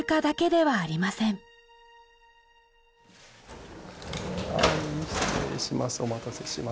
はい失礼します。